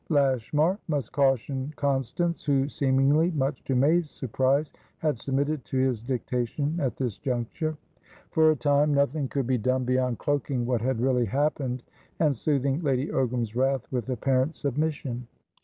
Lashmar must caution Constance, who seemingly (much to May's surprise) had submitted to his dictation at this juncture. For a time, nothing could be done beyond cloaking what had really happened, and soothing Lady Ogram's wrath with apparent submission.